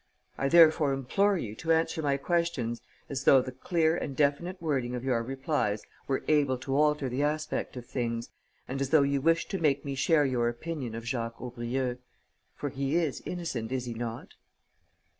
I therefore implore you to answer my questions as though the clear and definite wording of your replies were able to alter the aspect of things and as though you wished to make me share your opinion of Jacques Aubrieux. For he is innocent, is he not?"